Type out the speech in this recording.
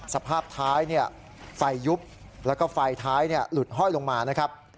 สภาพท้ายไฟยุบแล้วก็ไฟท้ายหลุดห้อยลงมานะครับ